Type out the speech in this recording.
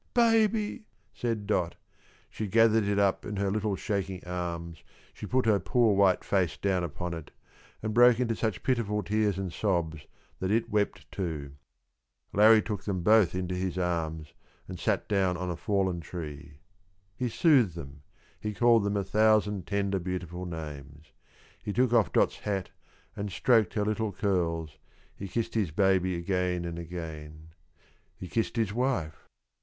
"Baby!" said Dot. She gathered it up in her little shaking arms, she put her poor white face down upon it, and broke into such pitiful tears and sobs that it wept too. Larrie took them both into his arms, and sat down on a fallen tree. He soothed them, he called them a thousand tender, beautiful names; he took off Dot's hat and stroked her little curls, he kissed his baby again and again; he kissed his wife.